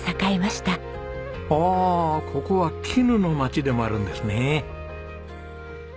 ああここは絹の街でもあるんですね。